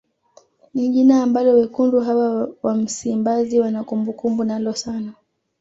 Ni jina ambalo wekundu hawa wa msimbazi wana kumbukumbu nalo sana